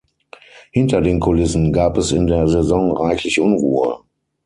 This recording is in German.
Hinter den Kulissen gab es in der Saison reichlich Unruhe.